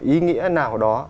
ý nghĩa nào đó